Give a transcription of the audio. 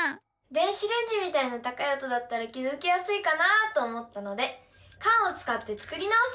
電子レンジみたいな高い音だったら気付きやすいかなと思ったのでカンをつかって作り直してみました！